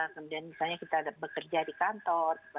kemudian misalnya kita bekerja di kantor